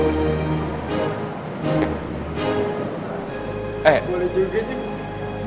eh boleh juga nih